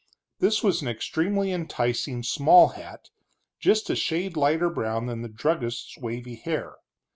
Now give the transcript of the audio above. This was an extremely enticing small hat, just a shade lighter brown than the druggist's wavy hair.